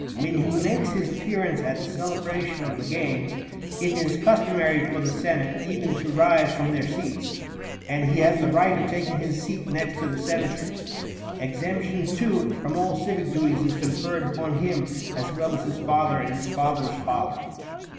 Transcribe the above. When he makes his appearance at the celebration of the games,35 it is customary for the Senate even to rise from their seats, and he has the right of taking his seat next to the senators. Exemption, too, from all civic duties is conferred upon him as well as his father and his father's father.